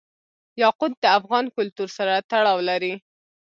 یاقوت د افغان کلتور سره تړاو لري.